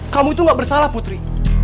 kamu itu gak bersalah putri